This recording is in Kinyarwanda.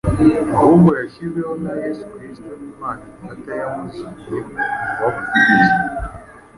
ahubwo yashyizweho na Yesu Kristo n’Imana Data yamuzuye mu bapfuye